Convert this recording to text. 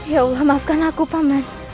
ya allah maafkan aku pamet